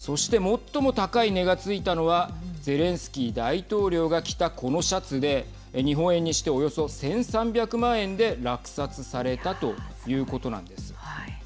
そして、最も高い値がついたのはゼレンスキー大統領が着たこのシャツで日本円にしておよそ１３００万円で落札されたということなんです。